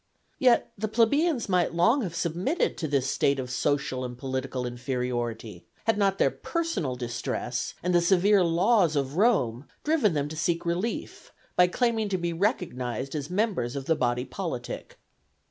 Yet the plebeians might long have submitted to this state of social and political inferiority, had not their personal distress and the severe laws of Rome driven them to seek relief by claiming to be recognized as members of the body politic.